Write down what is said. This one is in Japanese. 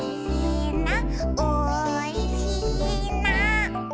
「おいしいな」